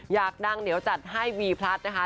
อยากดังเดี๋ยวจัดให้วีพลัดนะคะ